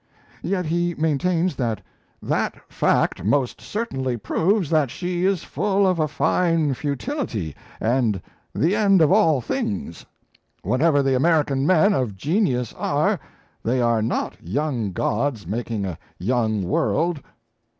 Yet he maintains that "that fact most certainly proves that she is full of a fine futility and the end of all things. Whatever the American men of genius are, they are not young gods making a young world.